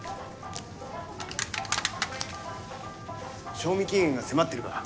賞味期限が迫ってるから。